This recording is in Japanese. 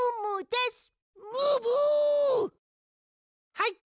はい！